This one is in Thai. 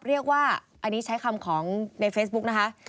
เรียกว่าอันนี้ใช้คำของในเฟซบุ๊กนะคะ